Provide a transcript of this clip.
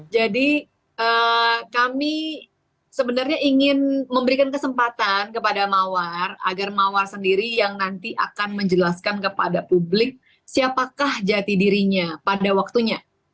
jadi kami sebenarnya ingin memberikan kesempatan kepada mawar agar mawar sendiri yang nanti akan menjelaskan kepada publik siapakah jati dirinya pada waktunya